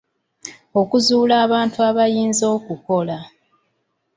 Okuzuula abantu abayinza okukola.